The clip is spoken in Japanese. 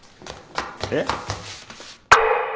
えっ？